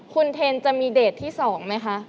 คุณเทนจะมีเดทที่๒ไหมคะ